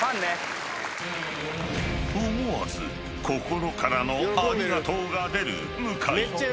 ［思わず心からの「ありがとう」が出る向井］